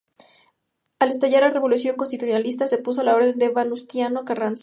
Al estallar la revolución constitucionalista se puso a las órdenes de Venustiano Carranza.